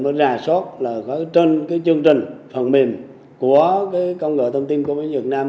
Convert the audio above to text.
và ra sót là trên chương trình phần mềm của công nghệ thông tin công an việt nam